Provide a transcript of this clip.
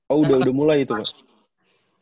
oh udah udah mulai itu mas